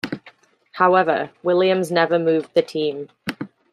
However, Williams never moved the team.